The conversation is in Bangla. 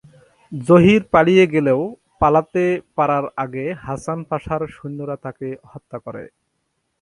জহির পালিয়ে গেলেও পালাতে পারার আগে হাসান পাশার সৈন্যরা তাকে হত্যা করে।